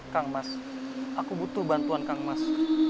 kang mas aku butuh bantuan kang mas